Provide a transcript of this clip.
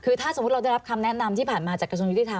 คือถ้าสมมุติเราได้รับคำแนะนำที่ผ่านมาจากกระทรวงยุติธรรม